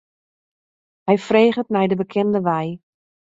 Hy freget nei de bekende wei.